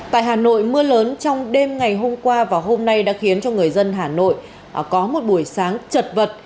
tại hà nội mưa lớn trong đêm ngày hôm qua và hôm nay đã khiến cho người dân hà nội có một buổi sáng chật vật